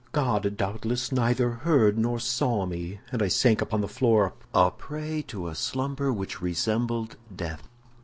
God doubtless neither heard nor saw me, and I sank upon the floor a prey to a slumber which resembled death.